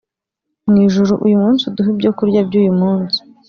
Mu ijuru uyu munsi uduhe ibyokurya by uyu munsi